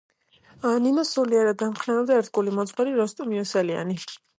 ნინოს სულიერად ამხნევებდა ერთგული მოძღვარი როსტომ იოსელიანი.